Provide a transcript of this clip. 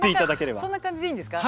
そんな感じでいいんですか。